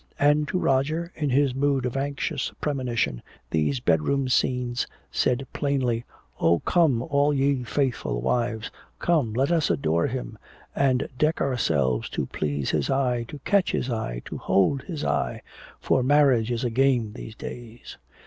And to Roger, in his mood of anxious premonition, these bedroom scenes said plainly, "O come, all ye faithful wives! Come let us adore him, and deck ourselves to please his eye, to catch his eye, to hold his eye! For marriage is a game these days!"